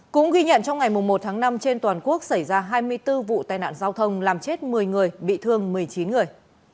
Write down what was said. cũng ghi nhận trong ngày một tháng năm trên toàn quốc xảy ra hai mươi bốn vụ tai nạn giao thông làm chết một mươi người bị thương một mươi chín người